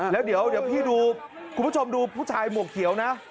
แล้วเดี๋ยวพี่ดูคุณผู้ชมดูผู้ชายหมวกเขียวนะ